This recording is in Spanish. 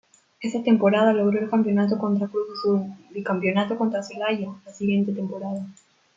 Esa temporada logró el campeonato contra Cruz Azul, bicampeonato contra Celaya la siguiente temporada.